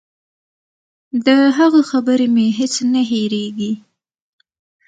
د هغه خبرې مې هېڅ نه هېرېږي.